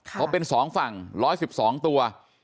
เขาเป็น๒ฝั่ง๑๑๒ตัว